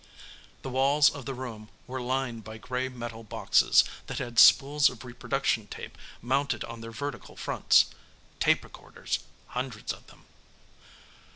The walls of the room were lined by gray metal boxes that had spools of reproduction tape mounted on their vertical fronts tape recorders, hundreds of them.